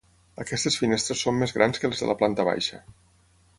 Aquestes finestres són més grans que les de la planta baixa.